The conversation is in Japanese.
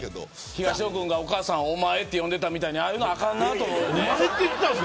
東野君がお母さんをおまえって呼んでたみたいにああいうのはあかんなと思うね。